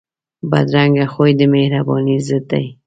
بدرنګه خوی د مهربانۍ ضد دی